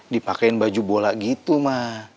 dipakein baju bola gitu ma